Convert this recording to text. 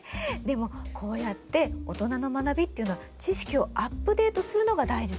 でもこうやって大人の学びっていうのは知識をアップデートするのが大事だよね。